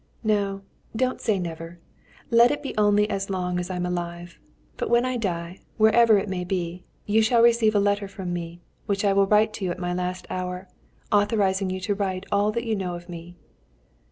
"No; don't say never. Let it be only as long as I'm alive. But when I die, wherever it may be, you shall receive a letter from me, which I will write to you at my last hour, authorizing you to write all that you know of me."